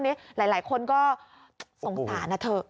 นี่หลายคนก็สงสารนะเถอะ